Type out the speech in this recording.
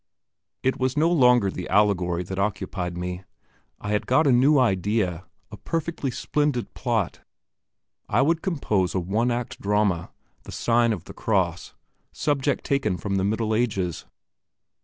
It was no longer the allegory that occupied me; I had got a new idea, a perfectly splendid plot; I would compose a one act drama "The Sign of the Cross." Subject taken from the Middle Ages.